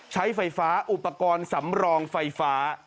ใช้ไฟฟ้าอุปกรณ์สำรองไฟฟ้า